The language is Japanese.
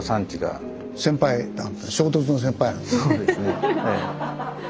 そうですね。